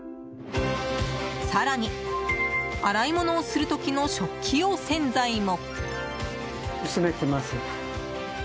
更に、洗い物をする時の食器用洗剤も。